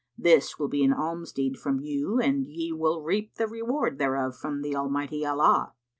[FN#45] This will be an almsdeed from you and ye will reap the reward thereof from Almighty Allah."